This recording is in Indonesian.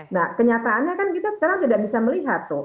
nah kenyataannya kan kita sekarang tidak bisa melihat tuh